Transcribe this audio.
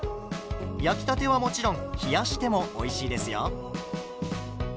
焼きたてはもちろん冷やしてもおいしいですよ。